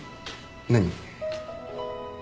何？